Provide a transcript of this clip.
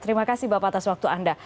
terima kasih bapak atas waktu anda